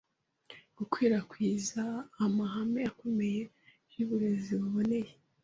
gukwirakwiza amahame akomeye y’uburezi buboneye.